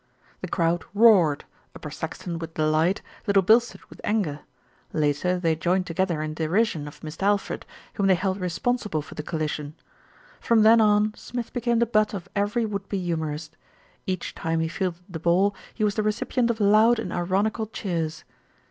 The crowd roared, Upper Saxton with delight, Lit tle Bilstead with anger. Later they joined together in derision of Mist' Alfred, whom they held responsible for the collision. From then on Smith became the butt of every would be humourist. Each time he fielded the ball, he was the recipient of loud and ironical cheers.